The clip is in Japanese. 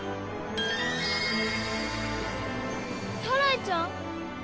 サライちゃん？